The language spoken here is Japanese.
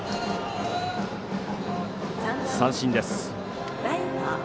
三振です。